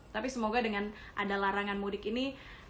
tapi semoga dengan ada larangan mudik ini